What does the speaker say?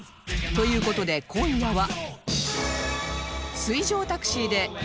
という事で今夜は